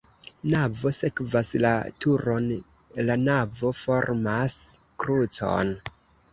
Navo sekvas la turon, la navo formas krucon.